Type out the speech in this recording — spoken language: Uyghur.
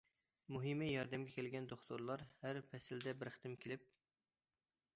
مۇھىمى، ياردەمگە كەلگەن دوختۇرلار ھەر پەسىلدە بىر قېتىم كېلىپ.